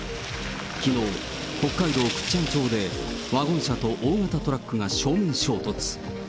きのう、北海道倶知安町で、ワゴン車と大型トラックが正面衝突。